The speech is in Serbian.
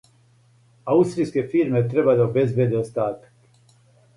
Аустријске фирме треба да обезбеде остатак.